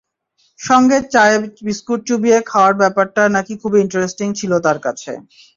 সঙ্গে চায়ে বিস্কুট চুবিয়ে খাওয়ার ব্যাপারটা নাকি খুবই ইন্টারেস্টিং ছিল তাঁর কাছে।